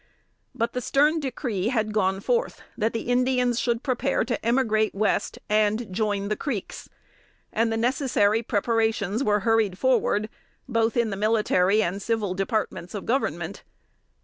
But the stern decree had gone forth that "the Indians should prepare to emigrate West and join the Creeks;" and the necessary preparations were hurried forward both in the Military and Civil Departments of Government.